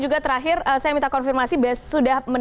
juga terakhir saya minta konfirmasi sudah